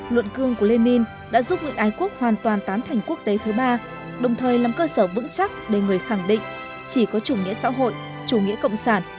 luận cương của lenin đã giúp nguyễn ái quốc hoàn toàn tán thành quốc tế thứ ba đồng thời làm cơ sở vững chắc để người khẳng định chỉ có chủ nghĩa xã hội chủ nghĩa cộng sản